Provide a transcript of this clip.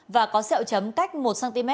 và có sẹo chấm cách một cm